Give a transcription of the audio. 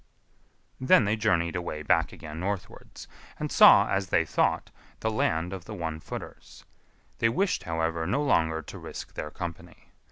Then they journeyed away back again northwards, and saw, as they thought, the land of the One footers. They wished, however, no longer to risk their company.